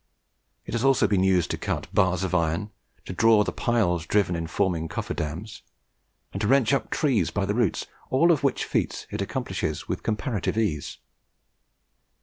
It has also been used to cut bars of iron, to draw the piles driven in forming coffer dams, and to wrench up trees by the roots, all of which feats it accomplishes with comparative ease.